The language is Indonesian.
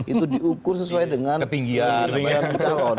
itu diukur sesuai dengan pilihan calon